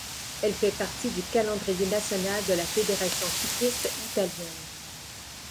Elle fait partie du calendrier national de la Fédération cycliste italienne.